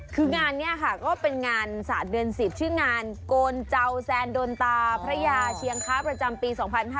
คืองานนี้ค่ะก็เป็นงานศาสตร์เดือน๑๐ชื่องานโกนเจ้าแซนโดนตาพระยาเชียงค้าประจำปี๒๕๕๙